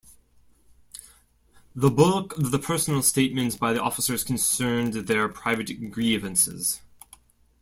The bulk of the personal statements by the officers concerned their private grievances.